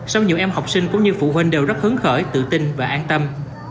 song nhiều em học sinh cũng như phụ huynh đều rất hứng khởi tự tin và an tâm